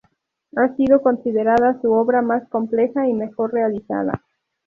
Ha sido considerada su obra más compleja y mejor realizada.